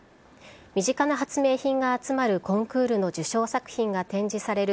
身近な発明品が集まるコンクールの受賞作品が展示される